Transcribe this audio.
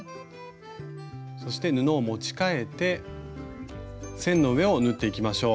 そして布を持ち替えて線の上を縫っていきましょう。